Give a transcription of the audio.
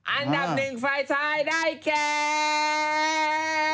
อันดับหนึ่งฝ่ายซ้ายได้แคลร์